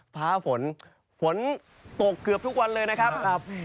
ฟ้าฝนฝนตกเกือบทุกวันเลยนะครับ